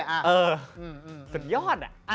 เออสุดยอดอะ